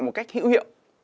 một cách hữu hiệu